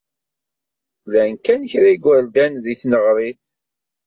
Llan kan kra n yigerdan deg tneɣrit.